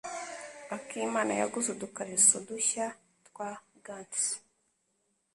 Akimana yaguze udukariso dushya twa gants.